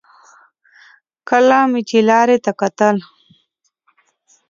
کله مې چې لارې ته کتل.